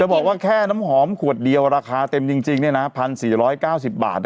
บอกว่าแค่น้ำหอมขวดเดียวราคาเต็มจริง๑๔๙๐บาท